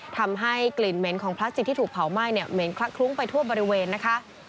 ทำให้กลิ่นเหม็นของพลาสติกที่ถูกเผาไหม้เนี่ยเหม็นคลักคลุ้งไปทั่วบริเวณนะคะ